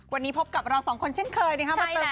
วันนี้พบกับเราสองคนเช่นเคยนะครับใบเตย